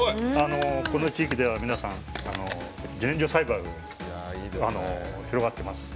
この地域では皆さん自然薯栽培が広がっています。